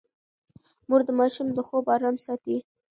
مور د ماشوم د خوب ارام ساتي.